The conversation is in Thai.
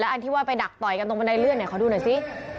อันที่ว่าไปดักต่อยกันตรงบันไดเลื่อนขอดูหน่อยสิ